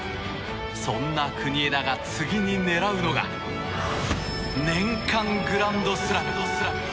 そんな国枝が次に狙うのが年間グランドスラム。